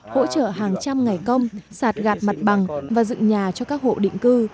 hỗ trợ hàng trăm ngày công sạt gạt mặt bằng và dựng nhà cho các hộ định cư